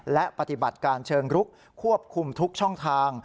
และปฏิบัติการเชิงรุกควบคุมทุกช่องทาง